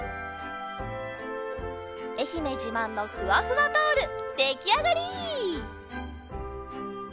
えひめじまんのふわふわタオルできあがり！